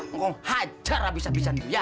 engkong hajar abis abisan bu ya